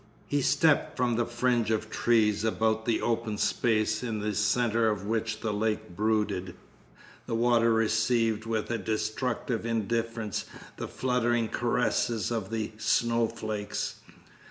He stepped from the fringe of trees about the open space in the centre of which the lake brooded. The water received with a destructive indifference the fluttering caresses of the snowflakes.